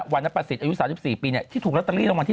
รณประสิทธิ์อายุ๓๔ปีที่ถูกลอตเตอรี่รางวัลที่๑